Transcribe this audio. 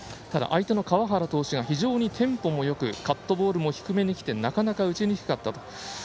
ただ相手の川原投手が非常にテンポもよくカットボールも低めにきてなかなか打ちにくかった。